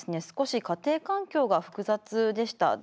少し家庭環境が複雑でした。